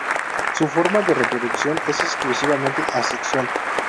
Su forma de reproducción es exclusivamente asexual.